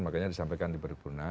makanya disampaikan di paripurna